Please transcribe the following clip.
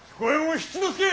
七之助！